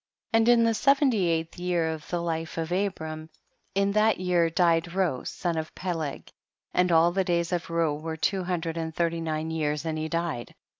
22. And in the seventy eighth year of the life of Abram, in that year died Reu the son of Peleg, and all the days of Reu were two hundred and thirty nine years, and he died.